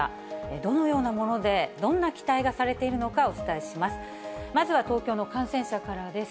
どのようなもので、どんな期待がされているのか、お伝えします。